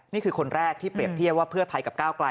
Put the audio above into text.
นี่คือคนแรกที่เปรียบเทียบว่าเพื่อไทยกับก้าวกลาย